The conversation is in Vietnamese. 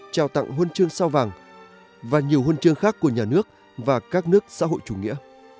trao tặng huân chương sao vàng và nhiều huân chương khác của nhà nước và các nước xã hội chủ nghĩa